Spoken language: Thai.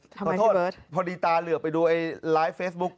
ทำไมพี่เบิร์ตขอโทษพอดีตาเหลือไปดูไอ้ไลฟ์เฟสบุ๊ก